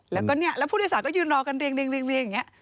แล้วก็เนี่ยแล้วผู้โดยสารก็ยืนรอกันเรียงอย่างนี้